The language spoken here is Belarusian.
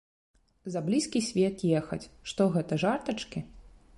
За блізкі свет ехаць, што гэта, жартачкі?